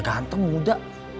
udah ganteng muda